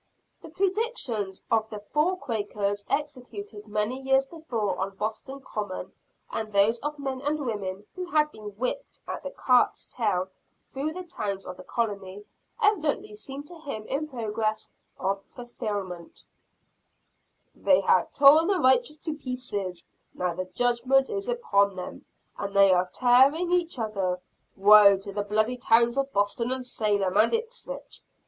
The predictions of the four Quakers executed many years before on Boston common, and those of men and women who had been whipped at the cart's tail through the towns of the colony, evidently seemed to him in progress of fulfillment: "They have torn the righteous to pieces; now the judgment is upon them, and they are tearing each other! Woe to the bloody towns of Boston and Salem and Ipswich!